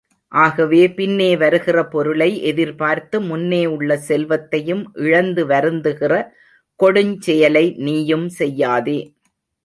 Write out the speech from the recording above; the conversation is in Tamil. ஆகவே பின்னேவருகிற பொருளை எதிர்பார்த்து முன்னே உள்ள செல்வத்தையும் இழந்து வருந்துகிற கொடுஞ் செயலை நீயும் செய்யாதே.